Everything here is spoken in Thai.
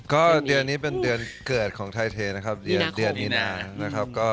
ก็เดือนนี้เป็นเดือนเกิดของไทเทนะครับเดือนมีนานะครับ